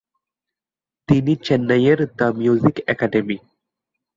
তিনি চেন্নাইয়ের the music academy.